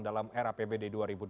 dalam era pbd dua ribu dua puluh